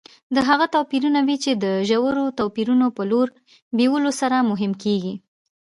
دا هغه توپیرونه وي چې د ژورو توپیرونو په لور بیولو سره مهم کېږي.